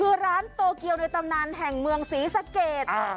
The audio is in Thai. คือร้านโตเกียวในตำนานแห่งเมืองศรีสะเกด